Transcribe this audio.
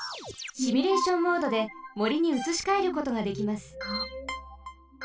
シミュレーションモードでもりにうつしかえることができます。